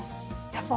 やっぱ。